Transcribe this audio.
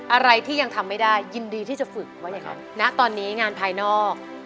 อะไรที่ยังทำไม่ได้ยินดีที่จะฝึกว่าอย่างนั้นณตอนนี้งานภายนอก